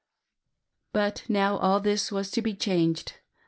But now all this was to be changed.